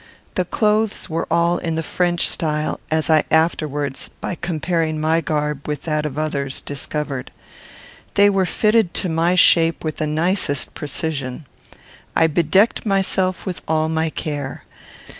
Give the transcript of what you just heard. The clothes were all in the French style, as I afterwards, by comparing my garb with that of others, discovered. They were fitted to my shape with the nicest precision. I bedecked myself with all my care.